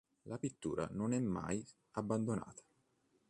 La pittura non è mai abbandonata.